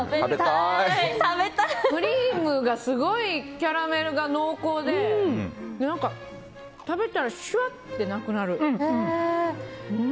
クリームがすごいキャラメルが濃厚で食べたらシュワッてなくなる。